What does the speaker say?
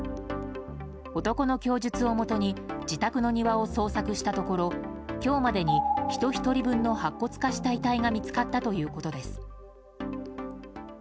男の供述をもとに自宅の庭を捜索したところ今日までに、人１人分の白骨化した遺体が見つかったということです。